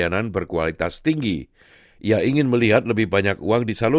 karena perjalanan anda lebih awal di pagi